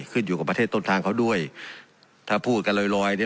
ขึ้นอยู่กับประเทศต้นทางเขาด้วยถ้าพูดกันลอยลอยเนี่ย